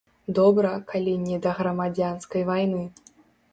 Добра, калі не да грамадзянскай вайны.